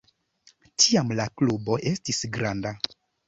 Tiam la klubo estis granda.